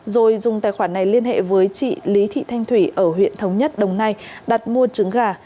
rồi dùng tài khoản này liên hệ với chị lý thị thanh thủy ở huyện thống nhất đồng nai đặt mua trứng gà